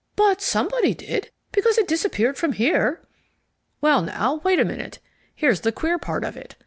But somebody did, because it disappeared from here." "Well, now, wait a minute. Here's the queer part of it.